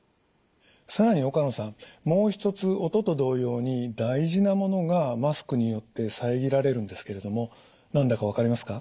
更に岡野さんもう一つ音と同様に大事なものがマスクによって遮られるんですけれども何だか分かりますか？